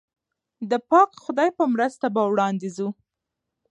د پاک خدای په مرسته به وړاندې ځو.